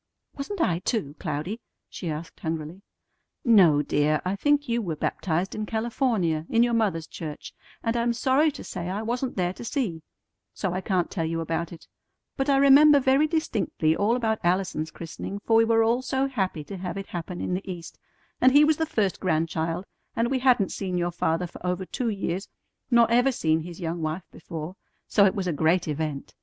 "Wasn't I, too, Cloudy?" she asked hungrily. "No, dear, I think you were baptized in California in your mother's church, and I'm sorry to say I wasn't there to see; so I can't tell you about it; but I remember very distinctly all about Allison's christening, for we were all so happy to have it happen in the East, and he was the first grandchild, and we hadn't seen your father for over two years, nor ever seen his young wife before; so it was a great event.